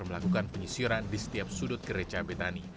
melakukan penyisiran di setiap sudut gereja betani